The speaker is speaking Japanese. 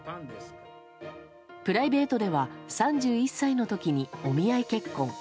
プライベートでは３１歳の時にお見合い結婚。